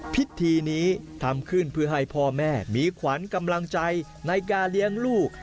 พิธีนี้ทำขึ้นเพื่อให้พ่อแม่มีขวัญกำลังใจในการเลี้ยงลูก